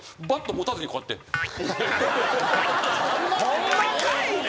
ホンマかいな。